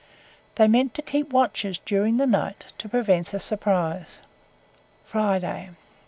They meant to keep watches during the night to prevent a surprise. FRIDAY.